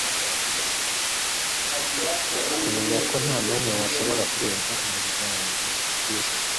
Kumenya ko ntanumwe washobora kurenga umuryango wijuru